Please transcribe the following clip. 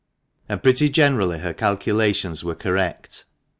And pretty generally her calculations were correct.